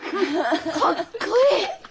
かっこいい！